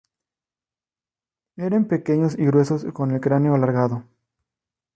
Eren pequeños y gruesos, con el cráneo alargado.